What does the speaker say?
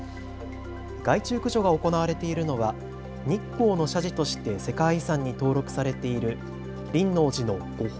害虫駆除が行われているのは日光の社寺として世界遺産に登録されている輪王寺の護法